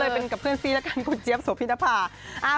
ก็เลยเป็นกับเพื่อนซีละกันคุณเจี๊ยบสวพินภา